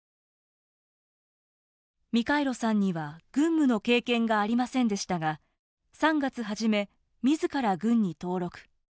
ミカイロさんには軍務の経験がありませんでしたが３月初め、みずから軍に登録。